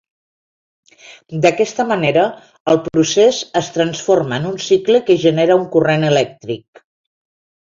D'aquesta manera el procés es transforma en un cicle que genera un corrent elèctric.